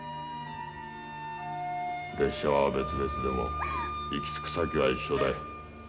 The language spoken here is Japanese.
列車は別々でも行き着く先は一緒だよ。